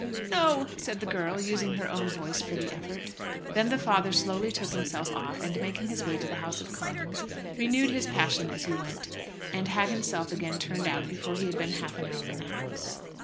"No!" said the girl, using her own voice for the effort. Then the father slowly took himself off, and making his way to the House of Commons, renewed his passion as he went, and had himself again turned out before he had been half an hour in the House.